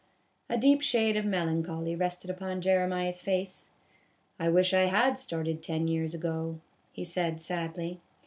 A deep shade of melancholy rested upon Jere miah's face. " I wish I had started ten years ago," he said, sadly.